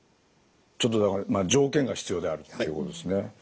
ちょっとだから条件が必要であるということですね。